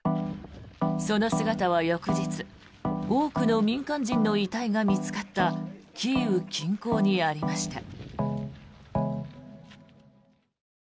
その姿は翌日多くの民間人の遺体が見つかったキーウ近郊にありました。